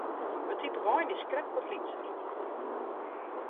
It type wein is krekt wat lytser.